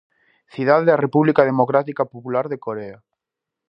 Cidade da República Democrática Popular de Corea.